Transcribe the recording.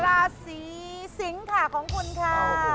ราศีสิงค่ะของคุณค่ะ